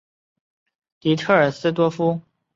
迪特尔斯多夫是德国图林根州的一个市镇。